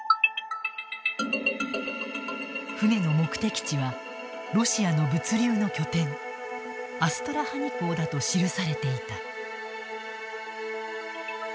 船の目的地はロシアの物流の拠点アストラハニ港だと記されていた。